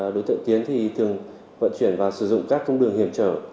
đối tượng tiến thì thường vận chuyển và sử dụng các cung đường hiểm trở